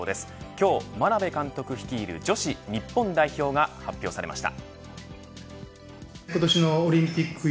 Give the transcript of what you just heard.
今日、眞鍋監督率いる女子日本代表が発表されました。